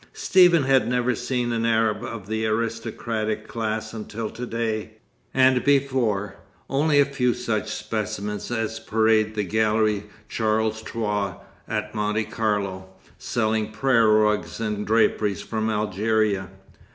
Stephen had never seen an Arab of the aristocratic class until to day; and before, only a few such specimens as parade the Galerie Charles Trois at Monte Carlo, selling prayer rugs and draperies from Algeria.